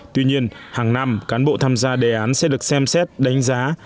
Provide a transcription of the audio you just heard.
tuy nhiên hàng năm cán bộ tham gia đề án sẽ được xem xét đánh giá